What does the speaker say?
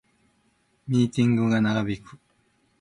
ミーティングが長引く